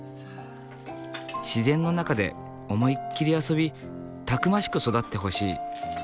自然の中で思いっきり遊びたくましく育ってほしい。